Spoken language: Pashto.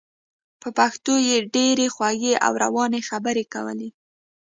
په پښتو یې ډېرې خوږې او روانې خبرې کولې.